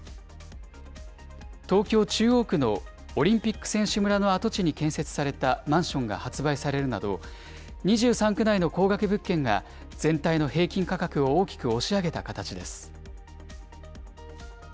東京・中央区のオリンピック選手村の跡地に建設されたマンションが発売されるなど、２３区内の高額物件が、全体の平均価格を大きく押し上げた形です。